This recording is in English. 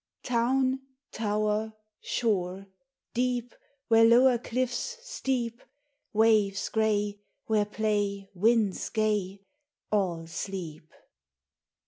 Town, tower, Shore, deep, Where lower Cliffs steep; Waves gray, Where play Winds gay, — All sleep.